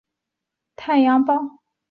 曾在仰光帮助建立太阳报。